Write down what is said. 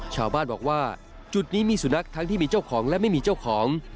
ชาวบ้านบอกว่าจุดนี้มีสุนัขทั้งที่มีเจ้าของและไม่มีเจ้าของ